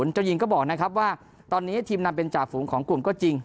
เจ้าหญิงก็บอกนะครับว่าตอนนี้ทีมนำเป็นจ่าฝูงของกลุ่มก็จริง